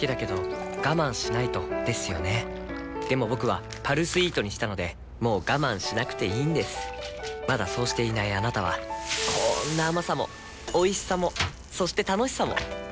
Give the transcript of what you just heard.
僕は「パルスイート」にしたのでもう我慢しなくていいんですまだそうしていないあなたはこんな甘さもおいしさもそして楽しさもあちっ。